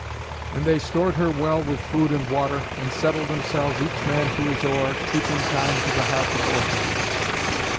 And they stored her well with food and water, and settled themselves each man to his oar, keeping time to the harp of Orpheus.